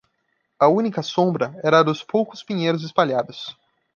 A única sombra era a dos poucos pinheiros espalhados.